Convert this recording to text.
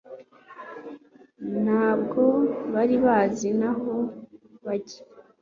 Ntabwo bari bazi n'aho bajya